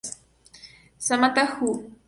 Samantha Who?